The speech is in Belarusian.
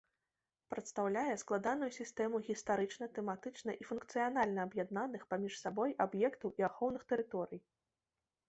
Прадстаўляе складаную сістэму гістарычна, тэматычна і функцыянальна аб'яднаных паміж сабой аб'ектаў і ахоўных тэрыторый.